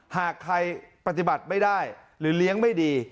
หากใครปฏิบัติไม่ได้หรือเลี้ยงไม่ดี